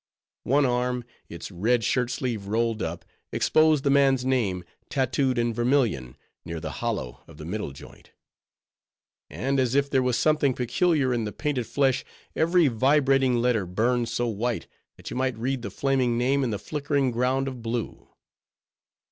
One arm, its red shirt sleeve rolled up, exposed the man's name, tattooed in vermilion, near the hollow of the middle joint; and as if there was something peculiar in the painted flesh, every vibrating letter burned so white, that you might read the flaming name in the flickering ground of blue.